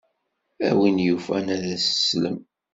A win yufan ad as-teslem.